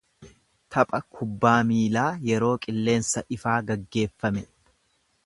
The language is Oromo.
Tapha kubbaa miilaa yeroo qilleensa ifaa geggeeffame.